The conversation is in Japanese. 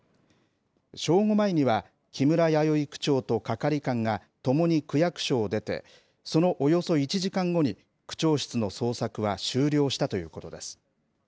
正午前には、木村弥生区長と係官が共に区役所を出て、そのおよそ１時間後に区長室の捜索は終了したということです。